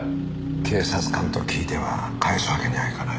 警察官と聞いては帰すわけにはいかないな。